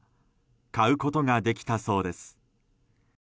買うことができたそうです。